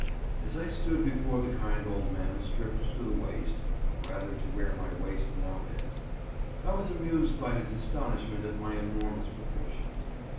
As I stood before the kind old man stripped to the waist (or rather to where my waist now is) I was amused by his astonishment at my enormous proportions.